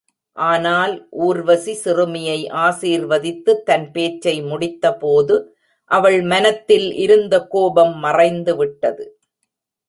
ஆனால் ஊர்வசி சிறுமியை ஆசிர்வதித்துத் தன் பேச்சை முடித்தபோது அவள் மனத்தில் இருந்த கோபம் மறைந்துவிட்டது.